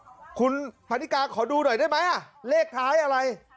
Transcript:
คุณพันนิกาขอดูหน่อยได้ไหมอ่ะเลขท้ายอะไร